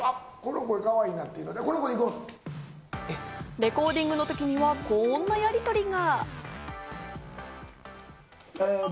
レコーディングの時にはこんなやりとりが。